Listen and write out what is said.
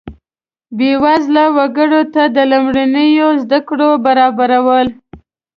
بیوزله وګړو ته د لومړنیو زده کړو برابرول.